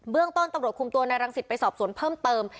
ต้นตำรวจคุมตัวนายรังสิตไปสอบสวนเพิ่มเติม